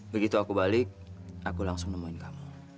begitu aku balik aku langsung nemuin kamu